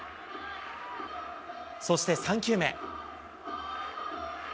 そして３球目。